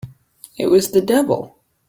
It was the devil!